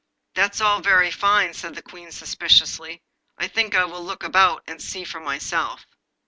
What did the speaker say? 'That's all very fine,' said the Queen suspiciously. 'I think I will look about, and see for myself.